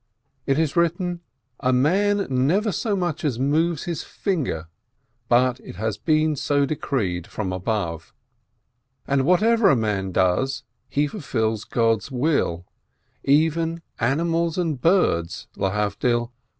It is written: "A man never so much as moves his finger, but it has been so decreed from above," and what soever a man does, he fulfils God's will — even animals and birds (I beg to distinguish!)